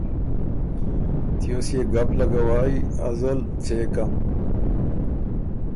تیوس يې ګپ لګوئ ازل څېکم۔